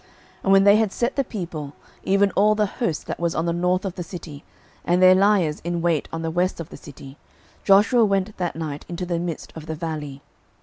06:008:013 And when they had set the people, even all the host that was on the north of the city, and their liers in wait on the west of the city, Joshua went that night into the midst of the valley.